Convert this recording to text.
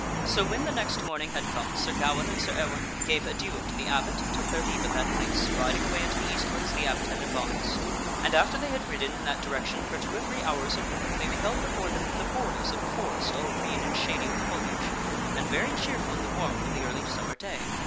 So when the next morning had come, Sir Gawaine and Sir Ewaine gave adieu unto the abbot, and took their leave of that place, riding away unto the eastward, as the abbot had advised. And after they had ridden in that direction for two or three hours or more they beheld before them the bor ders of a forest all green and shady with foliage, and very cheerful in the warmth of the early summer day.